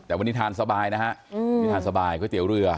แต่วันนี้ทานสบายนะฮะนี่ทานสบายก๋วยเตี๋ยวเรือ